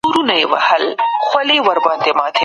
ښارمېشتي عصبيت کموي.